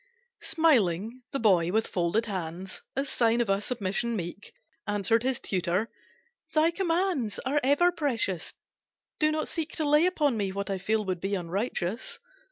Smiling, the boy, with folded hands, As sign of a submission meek, Answered his tutor. "Thy commands Are ever precious. Do not seek To lay upon me what I feel Would be unrighteous.